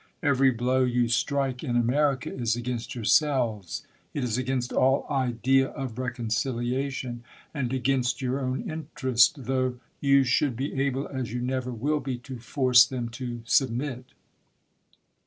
Every blow you sti ^kc in America is against yourselves ; it is against all idea of reconciliation, and against your own interest, though you should be able, as you never will be, to force them to subm.it.